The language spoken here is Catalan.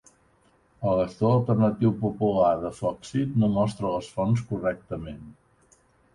El lector alternatiu popular de Foxit no mostra les fonts correctament.